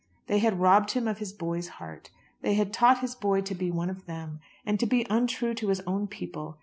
They had robbed him of his boy's heart. They had taught his boy to be one of them, and to be untrue to his own people.